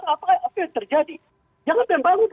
apa yang terjadi jangan membangun